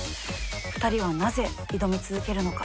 ２人はなぜ挑み続けるのか？